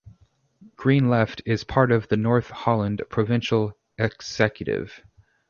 GreenLeft is part of the North Holland provincial executive.